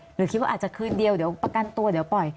หรือคิดว่าอาจจะคืนเดียวเดี๋ยวประกันตัวเดี๋ยวปล่อย